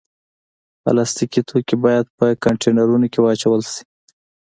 پلاستيکي توکي باید په کانټینرونو کې واچول شي.